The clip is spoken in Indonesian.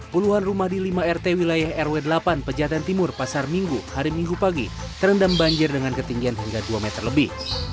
puluhan rumah di lima rt wilayah rw delapan pejatan timur pasar minggu hari minggu pagi terendam banjir dengan ketinggian hingga dua meter lebih